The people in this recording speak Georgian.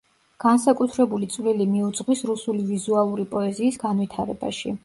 განსაკუთრებული წვლილი მიუძღვის რუსული ვიზუალური პოეზიის განვითარებაში.